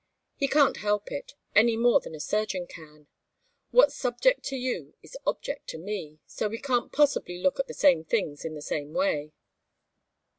He can't help it, any more than a surgeon can. What's subject to you is object to me so we can't possibly look at the same things in the same way."